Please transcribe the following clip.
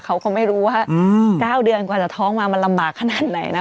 เขาก็ไม่รู้ว่า๙เดือนกว่าจะท้องมามันลำบากขนาดไหนนะ